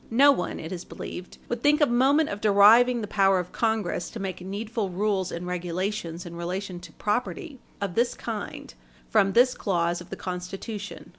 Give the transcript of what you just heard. No one, it is believed, would think a moment of deriving the power of Congress to make needful rules and regulations in relation to property of this kind from this clause of the Constitution.